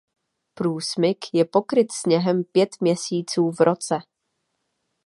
Průsmyk je pokryt sněhem pět měsíců v roce.